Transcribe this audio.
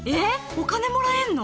お金もらえんの？